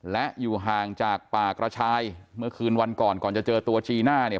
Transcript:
และอยู่ห่างจากป่ากระชายเมื่อคืนวันก่อนก่อนจะเจอตัวจีน่าเนี่ย